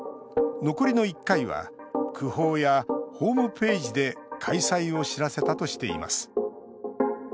残りの１回は区報やホームページで開催を知らせたとしています。